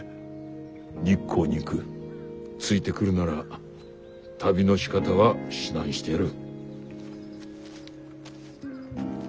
ついてくるなら旅のしかたは指南してやる。